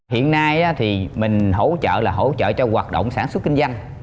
hiện nay thì mình hỗ trợ là hỗ trợ cho hoạt động sản xuất kinh doanh